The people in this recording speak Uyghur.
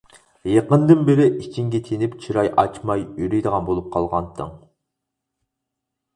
يېقىندىن بېرى ئىچىڭگە تىنىپ چىراي ئاچماي يۈرىدىغان بولۇپ قالغانتىڭ.